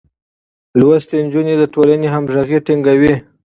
لوستې نجونې د ټولنې همغږي ټينګوي.